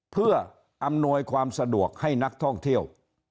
เพื่ออำนวยความสะดวกให้นักท่องเที่ยว